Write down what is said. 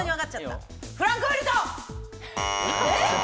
フランクフルト！